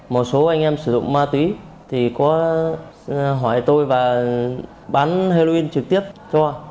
một số anh em sử dụng ma túy thì có hỏi tôi và bán heroin trực tiếp cho